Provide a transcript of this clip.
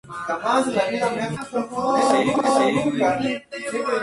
Discurre de este a oeste formando un valle fluvial.